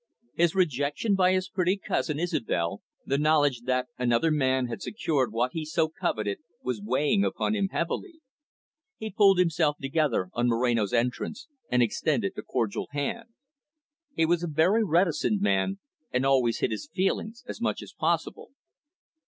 His rejection by his pretty cousin, Isobel, the knowledge that another man had secured what he so coveted, was weighing upon him heavily. He pulled himself together on Moreno's entrance, and extended a cordial hand. He was a very reticent man, and always hid his feelings as much as possible.